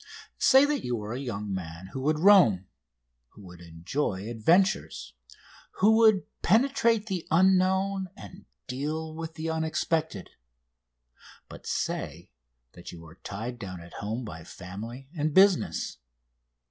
Say that you are a young man who would roam, who would enjoy adventures, who would penetrate the unknown and deal with the unexpected but say that you are tied down at home by family and business.